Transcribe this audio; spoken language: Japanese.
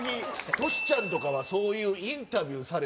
トシちゃんとかはそういうインタビューされて。